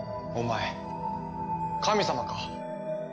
お前神様か？